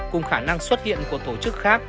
cùng khả năng xuất hiện của tổ chức khác